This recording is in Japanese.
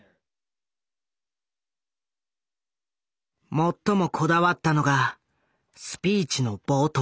最もこだわったのがスピーチの冒頭。